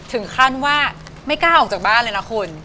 ถึงขั้นว่าไม่กล้าออกจากบ้านเลยนะคุณ